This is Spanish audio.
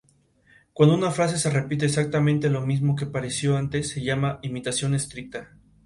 El peronismo tomó la gobernación de doce provincias contra siete del radicalismo.